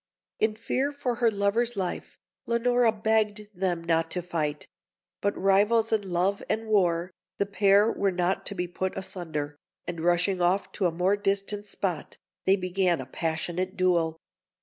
In fear for her lover's life, Leonora begged them not to fight; but, rivals in love and war, the pair were not to be put asunder, and rushing off to a more distant spot, they began a passionate duel.